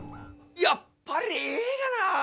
やっぱりええがな。